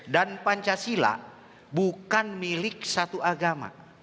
dan pancasila bukan milik satu agama